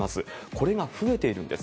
これが増えているんです。